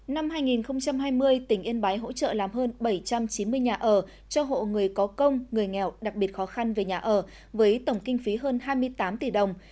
năm hai nghìn hai mươi tỉnh yên bái hỗ trợ làm hơn bảy trăm chín mươi nhà ở cho hộ người có công người nghèo đặc biệt khó khăn về nhà ở với tổng kinh phí hơn hai mươi tám tỷ đồng